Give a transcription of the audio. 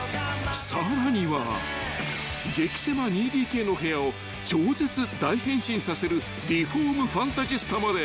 ［さらには激狭２ＤＫの部屋を超絶大変身させるリフォームファンタジスタまで］